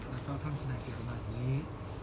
แล้วก็ท่านแสดงจะมาอันนี้